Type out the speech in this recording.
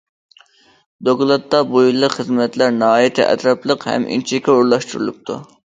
دوكلاتتا بۇ يىللىق خىزمەتلەر ناھايىتى ئەتراپلىق ھەم ئىنچىكە ئورۇنلاشتۇرۇلۇپتۇ.